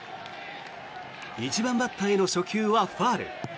１番バッターへの初球はファウル。